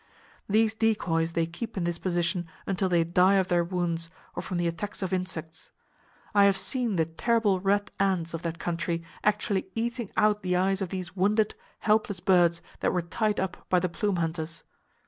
These decoys they keep in this position until they die of their wounds, or from the attacks of insects. I have seen the terrible red ants of that country actually eating out the eyes of these wounded, helpless birds that were tied up by the plume hunters.